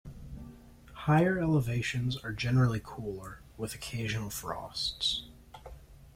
Higher elevations are generally cooler, with occasional frosts.